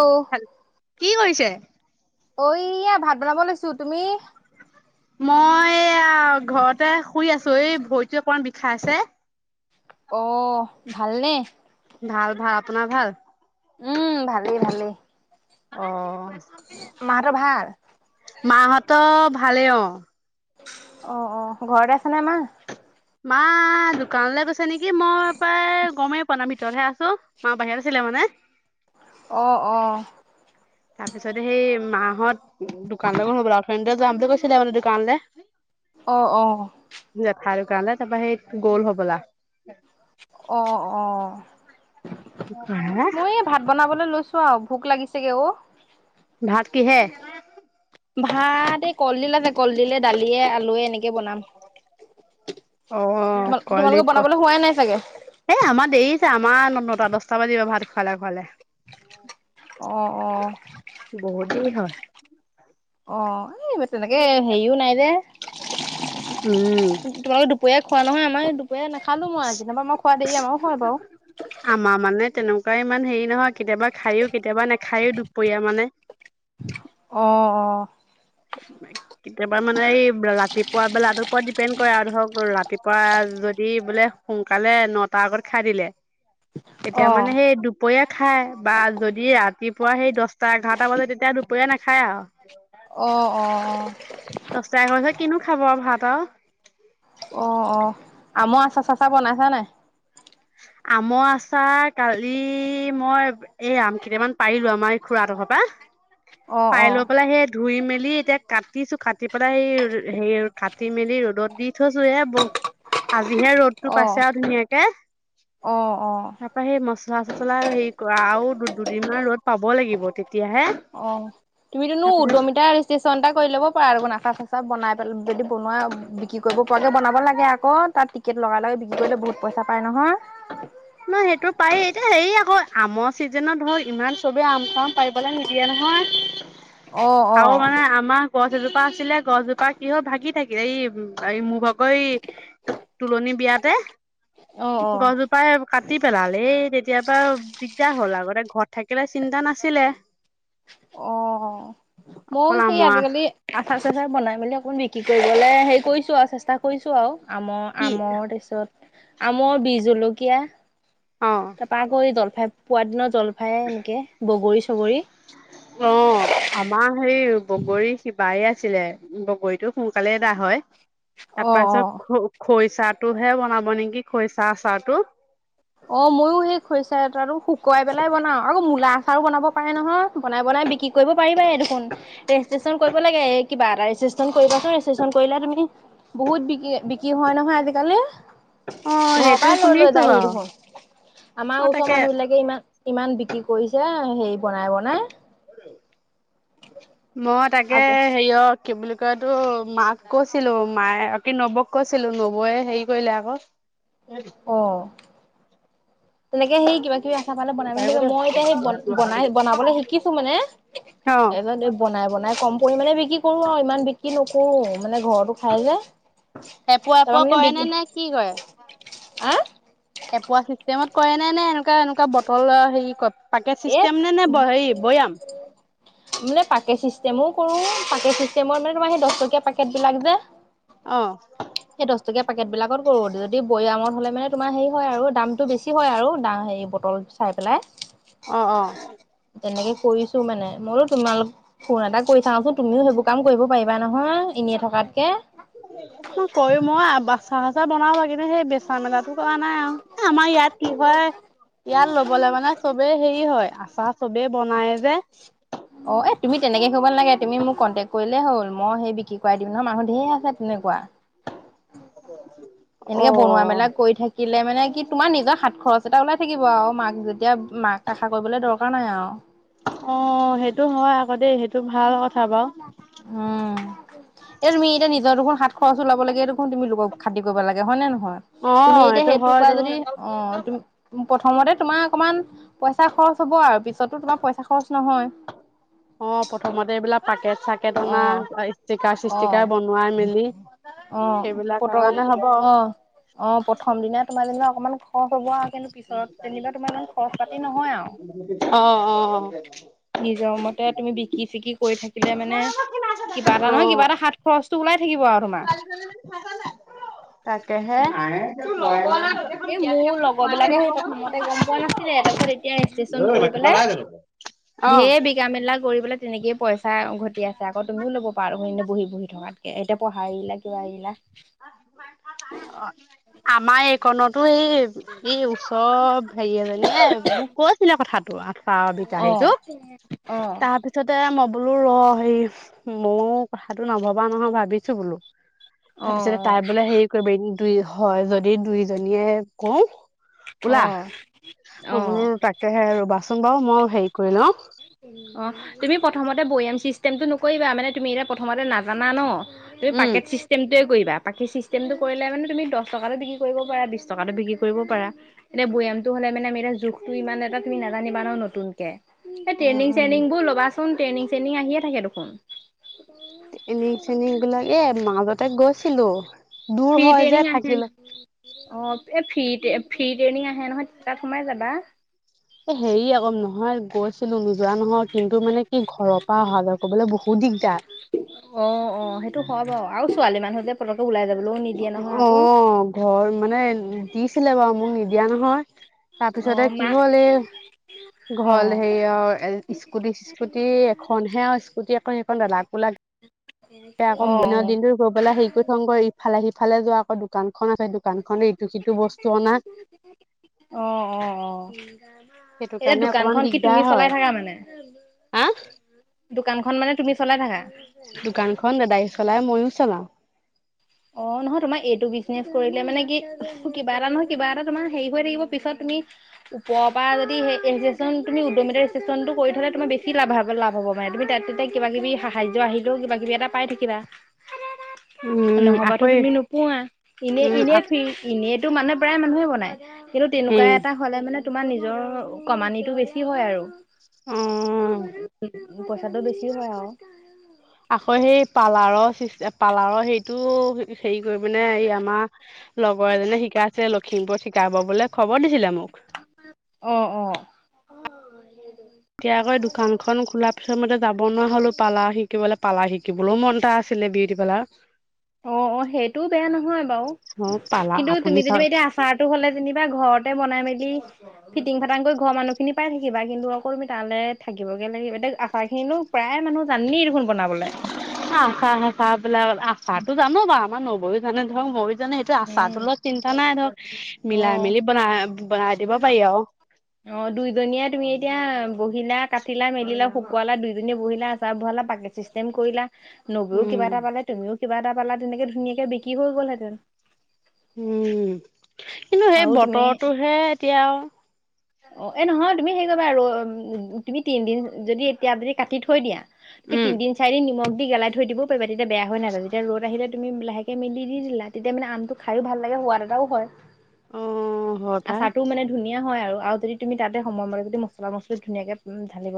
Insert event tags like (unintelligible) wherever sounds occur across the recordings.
অ'। হেল কি কৰিছে? অ' এয়া ভাত বনাব লৈছো তুমি? মই ঘৰতে শুই আছো এই ভৰিটো অকমান বিষা আছে। অ' ভালনে? ভাল ভাল, আপোনাৰ ভাল? উম ভালেই ভালেই। অ' মাহঁতৰ ভাল মাহত ভালেই অ'। অ' অ' ঘৰতে আছে নে মা? মা দোকানলৈ গৈছে নেকি! মই প্ৰায় গমেই পোৱা নাই। মই ভিতৰতহে আছোঁ, মা বাহিৰত আছিলে মানে। (inaudible) অ' অ'! তাৰপিছতে, সেই মাহত, দোকানলৈ গ'ল হ'বলা, ওঠনিতে যাম বুলি কৈছিলে মানে, দোকানলে। অ' অ'! (unintelligible) তাৰপৰা, সেই গ'ল হ'বলা। অ' অ'! হে মই এই, ভাত বনাবলে লৈছোঁ। চোৱা ভোক লাগিছেগে ঔ। ভাত কি হে? কল দিলে দালিয়ে আলুৱে এনেকে এনেকে বনাম, অ' কলদিল তোমালোকৰ ক বনাবলৈ হোৱাই নাই চাগে। এ আমাৰ দেৰিছে আমাৰ ন নটা দছটা বাজিব ভাত খোৱালে খোৱালে। অ' অ'। য হয়। অ এই তেনেকে, সেৰিও নাই যে, উম, তোমালোকৰ দুপৰীয়া খোৱা নহয়। আমাৰ দুপৰীয়া নাখালোঁ, মই। কেতিয়াবা, আমাৰ খোৱা দেৰি, আমাৰো হয় বাৰু। আমাৰ মানে, তেনেকুৱা ইমান সেৰি নহয়। কেতিয়াবা, খাইয়ো, কেতিয়াবা নাখায়ো, দুপৰীয়া মানে। অ' অ'! কেতিয়াবা মানে, এই ৰাতিপুৱা বেলাটোৰ ওপৰত ডিপেণ্ড কৰে আৰু ধৰক, ৰা ৰাতিপুৱা যদি বোলে, সোনকালে নটা আগত খাই দিলে। অ তেতিয়া অ মানে, সেই দুপৰীয়া খাই বা যদি ৰাতিপুৱা সেই, দহটা-এঘাৰটা বজাত, তেতিয়া দুপৰীয়া নাখায় আৰু। অ' অ'! দহটা এঘাৰটা (unintelligible) বজাত কিনো খাব আৰু ভাত আৰু? অ' অ'! আমৰ আচাৰ-চাচাৰ বনাইছা নাই? (inaudible) আমৰ আচাৰ, কালি মই, এই আমকেইটামান পাৰিলোঁ, আমাৰ এই, খুড়াহঁতৰ ঘৰৰ পৰা। অ', পাই লৈ অ', পেলাই সেত ধুই মেলি এতিয়া কাটিছো কাটি পেলাই সেই হে কাটি মেলি ৰ'দত দি থৈছো এ ব আজিহে ৰ'দটো পাইছে অ', আৰু ধুনীয়াকে। অ', অ', তাৰপা সেই মচলা চচলা হেৰি কৰা আৰু দু- দুদিনমান ৰ'দ পাব লাগিব তেতিয়াহে অ', তুমিতোনো তাৰপিছত উদ্যমিতাৰ ৰেজিষ্ট্ৰেচন এটা কৰি ল'ব পাৰা দেখোন (unintelligible) (unintelligible) বনাই পেলে যদি বনোৱা বিক্ৰী কৰিব পৰাকে বনাব লাগে আকৌ তাত টিকেট লগাই লগে বিক্ৰী কৰিলে বহুত পইচা পইচা পায় নহয়। নহয় সেইটো পাৰি এতিয়া হেৰি আকৌ আমৰ চিজনত ধৰক ইমান চবেই আম চাম পাৰিবলৈ নিদিয়ে নহয়। (unintelligible) অ', আৰু অ', মানে আমাৰ গছ এজোপা আছিলে গছজোপা কি হল ভাগি থাকিল এই -এই মুগ আকৌ এই তোলনি বিয়াতে অ', অ', গছজোপাই কাটি পেলাল এই তেতিয়া পা দিগদাৰ হ'ল আগতে ঘৰত থাকিলে চিন্তা নাছিলে। অ', ময়ো অকল সেই আমাৰ আজিকালি আঠা তাতে বনাই মেলি অকণমান বিক্ৰী কৰিবলৈ হেৰি কৰিছোঁ আৰু চেষ্টা কৰিছোঁ আৰু আমৰ - কি আমৰ তাৰছত আমৰ বী জলকীয়া অ তাৰ পা আকৌ এই জলফাই পোৱাৰ দিনাও জলফ অ, আমাৰ সেই বগৰী খিবায়ে আছিলে বগৰীটো সোনকালে দা হয়। অ তাৰপাৰ অ পিছত খ খৰিচাটোহে বনাব নেকি খৰিচা চাহটো। অ' মইো সেই খৰিচা এটো শুকুৱাই পেলাই বনাও আৰু মূলা আচাৰো বনাব পাৰে নহয় বনাই বনাই বিক্ৰী কৰিব পাৰিবা দেখোন ৰেজিষ্ট্ৰেশন কৰিব লাগে কিবা এটা ৰেজষ্টন ৰে তুমি বহুত বি বিক হয় নহয় আজি কালি। অ সেইটো ঘৰপা লৈ লৈ শুনিছো জাই বাৰু দেশুন। অ আমাৰ ওচৰৰ তাকে মানুহ বিলাকে ইমান ইমান বিক্ৰী কৰিছে হেৰি বনাই বনাই। মই তাকে আকৌ হেৰিয়ত কি বুলি কয় তো মাক কৈছিলো মায়ে আ কি নৱক কৈছিলো নৱৈয়ে হেৰি কৰিলে আকৌ। আহ। তেনেকে সেই কিবা কিবা আহ (unintelligible) মই এতিয়া সেই বনাই বনাবলৈ শিকিছো মানে অ এজনে বনাই বনাই কম পৰিমাণে বিক্ৰী কৰো আৰু ইমান বিক্ৰী নকৰো। মানে ঘৰতো খাই যে এপোৱা তাৰপা এপোৱা মানে কৰে নে বিকি নে কি কৰে (unintelligible) এপোৱা চিষ্টেমত কৰে নে নে এনেকুৱা এনেকুৱা বটল হেৰি কত এই মানে পাকে চিষ্টেমো কৰো পাকেট চিষ্টেমত মানে তোমাৰ সেই দহ টকীয়া পাকেট বিলাক যে। অ সেই দহ টকীয়া পেকেট বিলাকত কৰো যদি বৈয়ামত হ'লে মানে তোমাৰ হেৰি হয় আৰু দামটো বেছি হয় আৰু দা হে বটল চাই পেলাই। অ' অ'। তেনেকে কৰিছো মানে মইো তোমালোক ফোন এটা কৰি চাওচোন তুমি কাম কৰিব পাৰিবা নহয় এনেই থকাত। ত কৰি মই (unintelligible) বনাও লাগ সেই বেচা মেলাটো কৰা নাই আৰু আমাৰ ইয়াত কি হয় ইয়াত ল'বলে মানে চবেই হেৰি হয় আচাৰ চবেই বনায় যে। অ এ তুমি তেনেকৈ কৰিব নালাগে মোক কণ্টেক কৰিলে হ'ল ম সেই বিক্ৰী দিম নহয় মানুহ ধেৰ আছে তেনেকুৱা। অব (inaudible) এনেকে বনোৱা মেলা কৰি থাকিলে মানে কি তোমাৰ নিজৰ হাত খৰচ টা ওলাই থাকিব আৰু মাক যেতিয়া মাক আশা কৰিবলৈ দৰকাৰ নাই আৰু। অ' সেইটো হয় আকৌ দেই সেইটো ভাল কথা। বাও উম এ তুমি এতিয়া নিজৰ দুখ খাত খৰচ ওাব লাগে এই দেখু তুমি লোকক খাতিৰ কৰিব লাগে হয় নে নহয়? অ তুমি এতিয়া সেইটো বা হয়তো যদি অ' প্ৰথমতে তোমাৰ অকণমান পইচা খৰচ হ'ব আৰু পিছতো তোমাৰ পইচা খৰচ নহয় অ' প্ৰথমতে এইবিলাক পাকেট চাকেট অ অনা ষ্টিকাৰ অ চিষ্টিকাৰ বনোৱাই মেলি অ' সেইবিলাক পত কাৰণে হ'ব অ' অ' প্ৰথম দিনা তোমাৰ যে অকমান খৰ হ'ব কিন্তু পিছত যেনিবা তোমাৰ ইমান খৰচ পাতি নহয় আৰু অ' অ'। নিজৰ মতে তুমি বিকি চিকি কৰি থাকিলে মানে কিবা এটা নহয় কিবা এটা সাত খৰচ ছোৱ ন তাকেহে। এই মোৰ লগৰবিলাকে সেই প্ৰথমতে গম পোৱা নাছিলে তাৰপিছত এতিয়া ৰেজিষ্ট্ৰেশচন কৰি পেলাই অ', ধঢেৰ বিঘা মেলা কৰিবলৈ তেনেকেইে পইচা ঘট আছে আকৌুমিও ল'ব পাৰানে বহি বহি থকাতকে এতিয়া পঢ়া এৰিলা কিবা এৰিলা। আমাৰ এইকণতো এই এই চব হেৰি এজনী এ মোক কৈছিলে কথাটো আঠা অ বিকাাহীটো। অ তাৰ পিছতে ম বোলো ৰ হে ময় কথাটো নভবা নহয় ভাবিছো বোলো। অ তাৰপিছতে তাই বোলে হেৰি কৰিব দুই হয় যদি দুইজনীয়ে কওঁ। অ ওলা, অ' বোলো তাকেহে ৰুবাচোন বাৰু মই হেৰি কৰি লওঁ অ' তুমি প্ৰথমতে বৈ আম চিষ্টেমটো নকৰিবা মানে তুমি এতিয়া প্ৰথমতে নাজানা ন, তুমি উম। পাকেট চিষ্টেমটো কৰিবা বাকী চিষ্টেমটো কৰিলে মানে তুমি দহ টকাটো বিক্ৰী কৰিব পাৰা বি টকাাতটো বিক্ৰী কৰিব পাৰা, এনে বৈয়ামটো হলে মানে মিৰা জোখতটো ইমান এটা তুমি নাজানিবা ন নতুনকে। এই উম, ট্ৰেইনিং উম। চেইনিং বোৰ ল'বাচোন ট্ৰেইনিং চেইনিং আহিয়ে থাকে দেখোন। এনিক চেনিক গোলাক এ মাজতে গৈছিলো। দূৰ ফিট হয় এনি যে আহে, থাকিলো অ' ফি ফ্ৰী ট্ৰেইনিং আহে নহয় তাত সোমাই যাবা। এ হেৰি আকৌ নহয় গৈছিলো নোযোৱা নহয় কিন্তু মানে কি ঘৰৰ পৰা অহা যোৱা কৰিব'বলৈ বহুত দিগদাৰ। অ' অ' সেইটো হয় বাৰু আৰু ছোৱালী মানুহতে পতকো ওলাই যাব অ' ঘৰ মানে দিছিলে বাৰু মোক নিদিয়া নহয়। অ ততাৰপিছতে কি মা হল এ অ ঘল হেৰি অ স্কুটি সি্কুটি এখন হে স্কুটি এখন দাদাকো এ আকৌ অ দিনৰ অ দিনটো গ পেলাই হেৰি কৰি থংগ ইফালে সিফালে যোৱা আকৌ দোকান আছে দোকান খনে ইটো সিটো বস্তু অনা। অ' অ' অ' সেইটো এতিয়া কাৰণে অকমান দোকানখন কি তুমি দিগদাৰ হয় চলাই থাকা মানে? হা? দোকানখন মানে তুমি চলাই থাকা? দোকানখন দাদাই চলাই মইো চলাওঁ। অ নহয় তোমাৰ এইটো বিজনেচ কৰিলে মানে কি কিবা এটা নহয় কিবা এটা তোমাৰ হেৰি হৈ থাকিব পিছত তুমি ওপৰৰ পৰা যদি উদটো কৰি থলে তোমাৰ বেি লাভ লা হ'বানে তুমি তাততে কিবা কিবি স নিজৰ আহিলেও কিবা কিবি এটা পাই থাকিবা। হয়। নহ'বাতো তুমি নোপোৱা এনে উম, এনেই ফৰি এনেইতো মানে প্ৰায় মানুহে বনায়। কিন্তু তেনেকুৱা উম। এটা হলে মানে তোমাৰ নিজৰ কমানানিটো বেছি হয় আৰু। অ', পইচাটো বেছি হয় আৰু। আকৌ সেই পালাৰৰ চ পালাৰৰ সেইটো হেৰি কৰি পিনে এই আমাৰ লগৰ এজনে শিকাইছে লখিমপুৰত শিকাব বলে। খবৰ দিছিলে মোক। আহ অ'। এতিাকৈ দোকান খন খোলা পিছ মতে যাব ন হলো পালাহ শিকিবলৈ পালা শিকিবলৈও মন এটা আছিলে বিয়টি পেলা। অ' সেইটোও বেয়া নহয় বাৰু। অ', পালা কিন্তু আপুনি তুমি চা যেনিবা এতিয়া আচাৰটো হ'লে যেনিবা ঘৰতে বনাই মেলি ফিটিং ফাটাং কৰি ঘৰ মানুহখিনি প থাকিবা কিন্তু অকমি তালৈ থাকিবগৈ লাগিব এতিয়া আচাৰখিনো প্ৰায় মানে জানেই দেখোন। বনাবলে আশা আষ বিলাক আশো জানো বা আমাৰ নবৈয়ও জানে ধৰক মই ানে সেইটো আচা উম তলত চিন্তা নাই ধৰ অ মিলাই মেলি বনাই বনাই দিব পাৰি আৰু। অ' দুইজনীয়া তুমি এতিয়া বহিলা কাটিলা মেলিলাে শুকুৱালা দুজনী বহিলা আচাৰ বহালা পাকেট ছিষ্টেম কৰিলা। নবীও উম, কিবা এটা পালে তুমিও কিবা এটা পালা তেনেকে ধুনীয়াকে বিক্ৰী হৈ গ'লহেঁতেন। উম, কিন্তু সেই আৰু তুমি বতৰটোহে এতিয়া। অ' এ নহয় তুমি হেৰি কৰিবা আৰু তুমি তিনদিন যদি এতিয়া যদি কাটি থৈ দিয়া তুমি উম, তিদিন চাৰিন নিমখ দি গালাই থৈ দিব পাৰাতিয়া বেয়া হয় নায তেতিয়া ৰদ আহিলে তমি লাহে ে মেলি দি দিলা তেতিয়া মানে আমটো খাইো ভাল লাগে সোৱাদ এটাও হয়। অ' হ পাই। আচাৰটোও মানে ধুনীয়া হয় আৰু যদি তুমি তাতে সময়মতে যদি মছলা মছলি ধুনীয়াকে ালিব।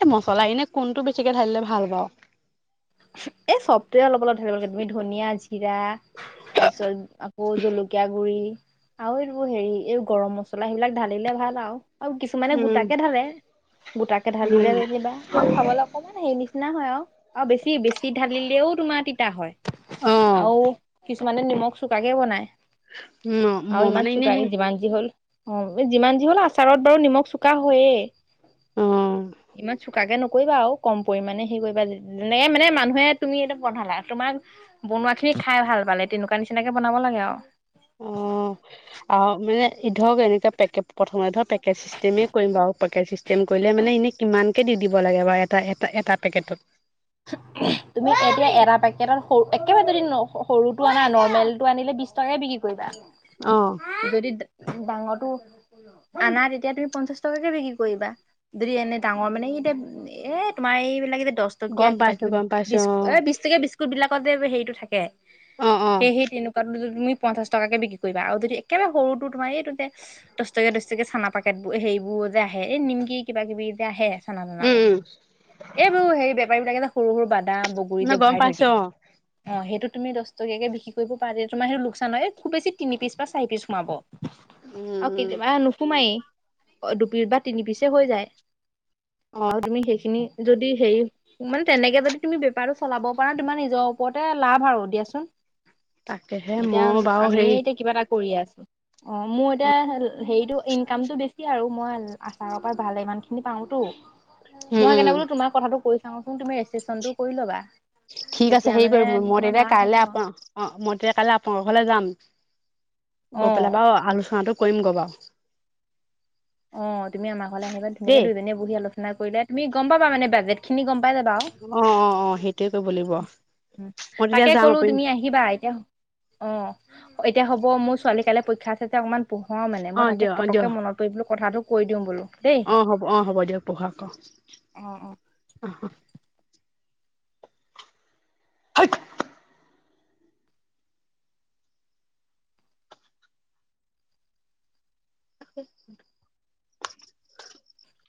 এই মচলা এনে কোনটো বেছিকে ঢাল দিলে ভাল পাওঁ। এই চবটোৱে অলপ অলপ থাকিব লাগে তুমি ধনিয়া জিৰা তাৰ পিছত আকৌ জলকীয়া গুৰি। আৰু এইটো হেৰি এই গৰম মছলা সেইবিলাক ঢালিলে ভাল আৰু। আৰু কিছুমানে উম, গোটাকে ঢালে গোটাকে ঢালিলে উম, যেনিবা আৰু খাবলৈ অকমান হেৰি নিচ শুনা হয় আও, আৰু বেছি বেছি ঢালিলেও তোমাৰ তিতা হয়, অ', আৰু কিছুমানে নিমখ চোকাকে বনায়, আৰু মই ইমান মানে এনে চোকাকে সেই যিমান যি হল অঁ যিমান যি হল আচাৰত বাৰু নিমখ চোকা হয়েই। অ', ইমান চোকাকে নকৰিবা আৰু কম পৰিমানে হেই কৰিবা ন নি এনেকে মানে মানুহে তুমি এইটো বনালা তোমাক বনোৱাখিনি খাই ভাল পালে তেনেকুৱা নিচিনাকে বনাব লাগে আৰু। অ', অ', মানে ধৰক এনেকৈ পেকেজ প্ৰথমে ধক পেকেজ চিষ্টেমেই কৰিম বাৰু পেকেজ চিষ্টেম কৰিলে মানে এনেই কিমানকে দি দিব লাগে বাৰু এটা এ এটা পেকেটত। স তাতৰু একেবাৰে যদি সৰুটো আনা নৰ্মেলটো আনিলে বি টকে বিক্ৰী কৰিবা। অ', যদি ডাঙৰটো আনাাৰ তেতিয়া তুমি পঞ্চাশ টকাকে বিক্ৰী কৰিবা যদি এনে ডাঙৰ মানে কি এতিয়া এ তোমাৰ এইবিলাক এ যে দহ টকীয়া গম কিবা পাইছোঁ কিবি গম বি পাইছোঁ এ বিশ টকীয়া বিস্কুট বিলাক হেৰিটো থাকে অ', অ', অ', সেই সেই তেনেকুৱো যদি তুমি পঞ্চাশটক কেে বিক্ৰী কৰিবা আৰু যদি একেবাৰে সৰুটোো তোমাৰ এইটো যে দহটকা দহটকে চানা পেটবোৰ হেৰি এইবোৰ যে আহে এই নিমকি কিবা কিবি এ যেয়া আহে চানা চান উম, উম, এইবোৰু সেই বেপাৰী বিলাক এ যে সৰু সৰু বান্ধ দা বগৰী ন যে গম ভৰাই থৈ দিয়ে পাইছোঁ অ', অ', সেইটো তুমি দশটকাকে বিক্ৰী কৰিব পাৰ দ তোমাৰ সেইটো লোকচান হয় খুব বেছি তিনি পিচ বা চাৰি পিচ সোমাব। উম, আৰু উম, কেতিয়াবা নোসোমায়েই অ', দুপিচ বা তিনি পিচে হৈ যায়। আৰু তুমি সেইখিনি যদি সেই মানে তেনেকে যদি তুমি বেপাৰটো চলাব পাৰা তোমাৰ নিজৰ ওপৰতে লাভ আৰু তাকেহে দিয়াচোন। এতিয়া মই বাৰু আমিয়ে হেৰি এতিয়া কিবা এটা কৰি আছোঁ। অ', মোৰ এতিয়া হেৰিটো ইনকামটো বেছি আৰু মই আচাৰৰ পৰা ভাল ইমানখিনি পাওঁতো। উম, মই উম, কেনে বোলো তোমাৰ কথাটো কৈ চাওঁচোন তুমি ৰেজিষ্টনটো কৰি ল'বা। ঠিক আছে, তেতিয়া হেৰি মানে কৰিম মই তোমাৰ তেতিয়া লাভ হ'ব কাইলৈ আপ অ', মই তেতিয়া কাইলে আপোনাৰ ঘৰলৈ যাম। অ গৈ পেলাই বাৰু আলোচনাটো কৰিম গৈ বাৰু। অ', তুমি ঘৰলৈ আহিবা ধুনীয়াকে দেই দুজনীয়ে বহি আলোচনা কৰিলে তুমি গম পাবা মানে বাজেটখিনি গম পা অ', অ', অ', সেইটোৱে কৰিব লাগিব। উম, মই তেতিয়া তাকে যাম ক'লো আপুনি তুমি আহিবা এতিয়া অ'। এতিয়া হ'ব মোৰ ছোৱালী কাইলে পৰীক্ষা আছে অকমান পঢ়োৱাও মানে মই অঁ তাকে দিয়ক পতককে মনত পৰিলো কথাটো কৈ দিওঁ বোলো। দেই অ', হ'ব অ', হ'ব দিয়ক পঢ়াক অ'। অ অ (unintelligible) (inaudible)